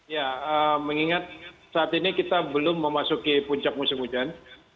ya mengingat saat ini kita belum memasuki puncak musim hujan